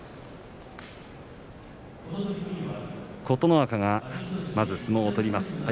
琴ノ若が、まず相撲を取ります。